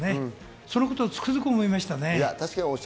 そういうことをつくづく思いました。